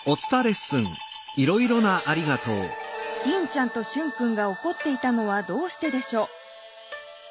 リンちゃんとシュンくんがおこっていたのはどうしてでしょう？